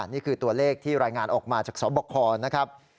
นี่คือตัวเลขที่รายงานออกมาจากสบคนะครับ